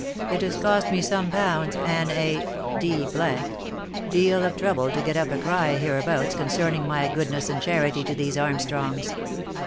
It has cost me some pounds, and a d — d deal of trouble to get up a cry hereabouts concerning my goodness and charity to these Armstrongs.